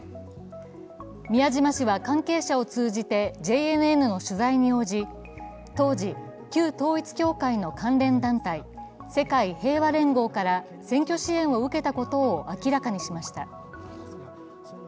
宮島氏は関係者を通じてＪＮＮの取材に応じ当時旧統一教会の関連団体世界平和連合から選挙支援を受けたことを明らかにしました。